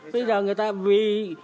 bây giờ người ta vì